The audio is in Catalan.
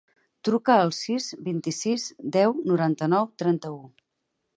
Truca al sis, vint-i-sis, deu, noranta-nou, trenta-u.